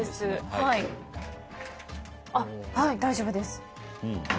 はい大丈夫です。